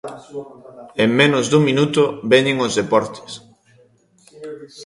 En menos dun minuto veñen os deportes.